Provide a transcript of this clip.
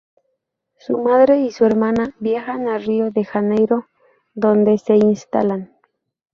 Su madre y su hermana viajan a Río de Janeiro, donde se instalan.